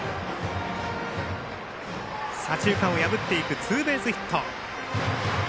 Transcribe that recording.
左中間を破っていくツーベースヒット。